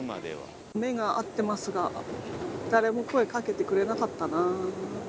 目が合ってますが誰も声かけてくれなかったなぁ。